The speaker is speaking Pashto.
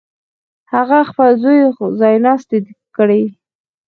هغه خپل زوی ځایناستی کړي.